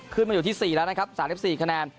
ขึ้นมาอยู่ที่๔แล้วนะครับ๓๔คะแนน